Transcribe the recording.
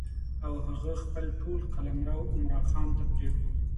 او هغه خپل ټول قلمرو عمرا خان ته پرېښود.